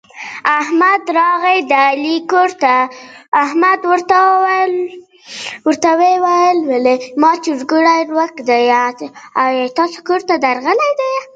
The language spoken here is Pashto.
هنر د طبیعت کاپي کول دي، چي انسانان ورنه خوند واخلي.